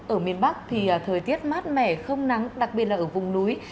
ở miền bắc thì thời tiết mát mẻ không nắng đặc biệt là ở vùng núi